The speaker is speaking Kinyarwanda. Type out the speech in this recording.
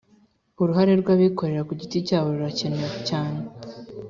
uruhare rw'abikorera ku giti cyabo rurakenewe cyane